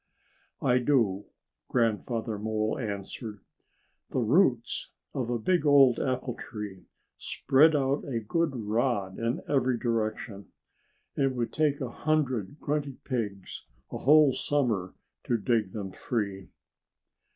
"I do," Grandfather Mole answered. "The roots of a big, old apple tree spread out a good rod in every direction. And it would take a hundred Grunty Pigs a whole summer to dig them free."